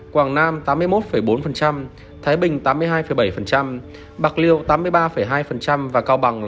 quảng nam thái bình bạc liêu và cao bằng